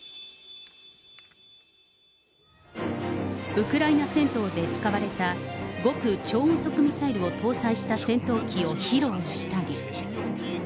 ウクライナ戦闘で使われた極超音速ミサイルを搭載した戦闘機を披露したり。